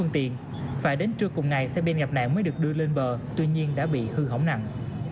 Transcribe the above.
tiền phải đến trưa cùng ngày xe bên gặp nạn mới được đưa lên bờ tuy nhiên đã bị hư hỏng nặng